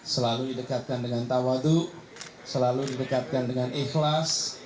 selalu didekatkan dengan tawadu selalu didekatkan dengan ikhlas